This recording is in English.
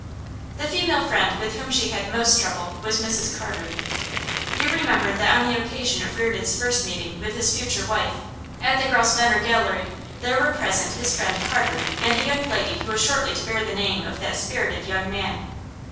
The female friend with whom she had most trouble was Mrs Carter. You remember that on the occasion of Reardon's first meeting with his future wife, at the Grosvenor Gallery, there were present his friend Carter and a young lady who was shortly to bear the name of that spirited young man.